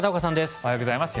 おはようございます。